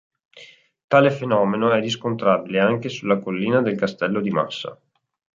Tale fenomeno è riscontrabile anche sulla collina del castello di Massa.